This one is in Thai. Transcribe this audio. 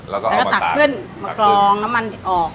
แล้วก็ตักขึ้นมากรองน้ำมันออก